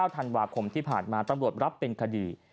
ธันวาคมที่ผ่านมาตำรวจรับเป็นคดี